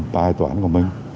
tại toán của mình